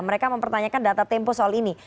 mereka mempertanyakan data tempo soal ini